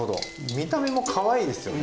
見た目もかわいいですよね。